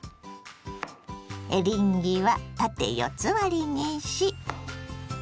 エリンギは縦四つ割りにし。